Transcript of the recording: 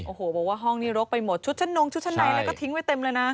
โอ้โหบอกว่าห้องนี้รกไปหมดชุดชั้นนงชุดชั้นในแล้วก็ทิ้งไว้เต็มเลยนะ